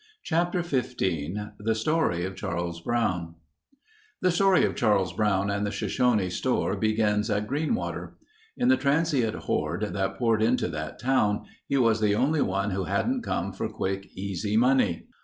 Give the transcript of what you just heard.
Chapter XV The Story of Charles Brown The story of Charles Brown and the Shoshone store begins at Greenwater. In the transient horde that poured into that town, he was the only one who hadn't come for quick, easy money.